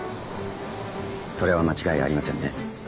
それは間違いありませんね？